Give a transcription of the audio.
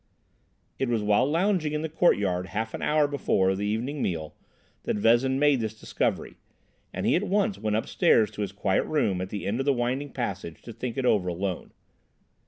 It was while lounging in the courtyard half an hour before the evening meal that Vezin made this discovery, and he at once went upstairs to his quiet room at the end of the winding passage to think it over alone.